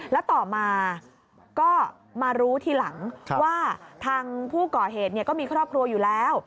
แล้วต่อมาก็มารู้ทีหลังว่าทางผู้ก่อเหตุก็มีครอบครัวอยู่แล้ว